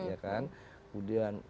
kemudian ketentuan kehadiran korum juga